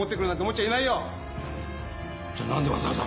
じゃなんでわざわざ？